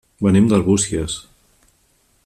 Venim d'Arbúcies.